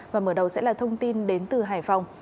và mở đầu sẽ là thông tin đến từ hải phòng